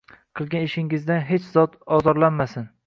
Qilgan ishingizdan hjch zot ozorlanmasin...